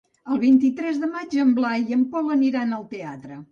El vint-i-tres de maig en Blai i en Pol aniran al teatre.